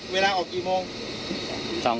เวลาออกกี่โมง